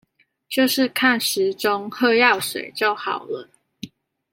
就是看時鐘喝藥水就好了